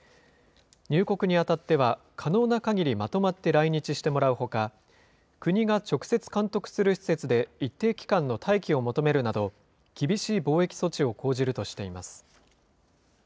入国にあたっては、可能なかぎりまとまって来日してもらうほか、国が直接監督する施設で一定期間の待機を求めるなど、厳しい防疫措置を講じるとしています。